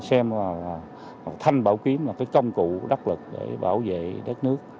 xem là thanh bảo kiếm là cái công cụ đắc lực để bảo vệ đất nước